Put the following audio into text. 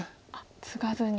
ツガずに。